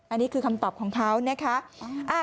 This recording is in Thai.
อันนี้คือคำตอบของเขานะคะ